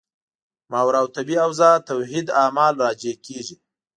ماورا الطبیعي حوزه توحید اعمال راجع کېږي.